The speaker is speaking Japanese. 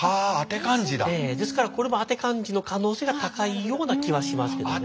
ですからこれも当て漢字の可能性が高いような気はしますけどね。